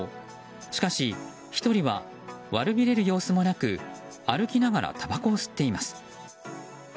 しかし１人は悪びれる様子もなく歩きながらたばこを吸っています。